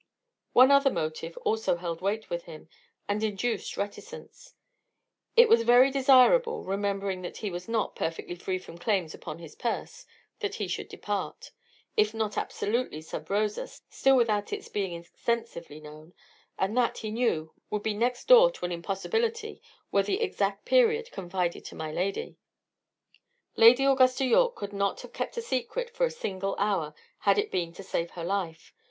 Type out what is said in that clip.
One other motive also held weight with him, and induced reticence. It was very desirable, remembering that he was not perfectly free from claims upon his purse, that he should depart, if not absolutely sub rosâ, still without its being extensively known, and that, he knew, would be next door to an impossibility, were the exact period confided to my lady. Lady Augusta Yorke could not have kept a secret for a single hour, had it been to save her life.